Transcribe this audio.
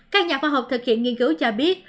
các nhà khoa học thực hiện nghiên cứu cho biết